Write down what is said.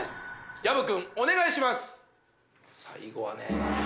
薮君お願いします！